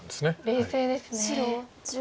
冷静ですね。